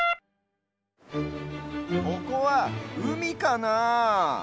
ここはうみかなあ。